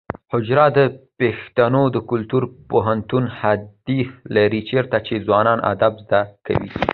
حجره د پښتنو د کلتوري پوهنتون حیثیت لري چیرته چې ځوانان ادب زده کوي.